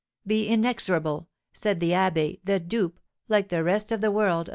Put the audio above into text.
Be inexorable,' said the abbé, the dupe, like the rest of the world, of M.